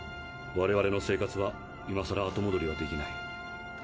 我々の生活は今さら後もどりはできない。